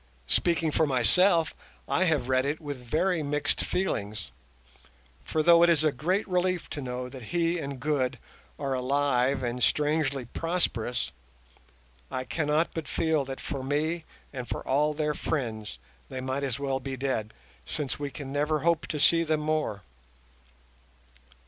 Speaking for myself, I have read it with very mixed feelings; for though it is a great relief to know that he and Good are alive and strangely prosperous, I cannot but feel that for me and for all their friends they might as well be dead, since we can never hope to see them more.